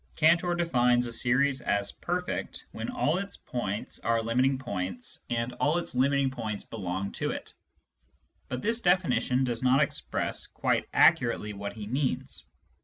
Cantor defines a series as " perfect " when all its points are limiting points and all its limiting points belong to it. But this definition does not express quite accurately what he means.